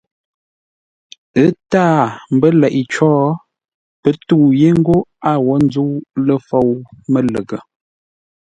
Ə́ tâa mbə́ leʼé có, pə́ tə́u yé ńgó a wó ńzə́u ləfôu mə́lə́ghʼə.